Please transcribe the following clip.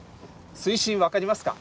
水深分かりますか？